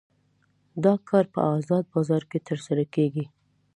دا کار په ازاد بازار کې ترسره کیږي.